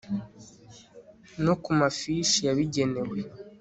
no ku mafishi yabigenewe